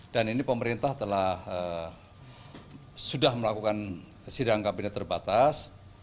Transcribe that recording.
dan ini pemerintah telah sudah melakukan sidang kabinet terbatas